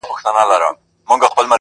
حقیقت در څخه نه سم پټولای!